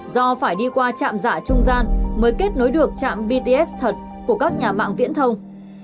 do phải đi qua trạm giả trung gian mới kết nối được trạm bts thật của các nhà mạng viễn thông